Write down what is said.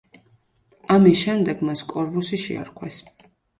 ამის შემდეგ მას კორვუსი შეარქვეს.